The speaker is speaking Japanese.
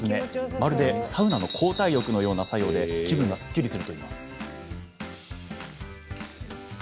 まるでサウナの交代浴のような作用で気分がすっきりするといいます。